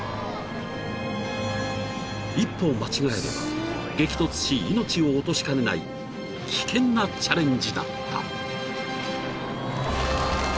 ［一歩間違えれば激突し命を落としかねない危険なチャレンジだった］